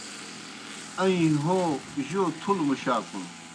اَیّں ہَو جوْ تُھلوْ مُشاکُن۔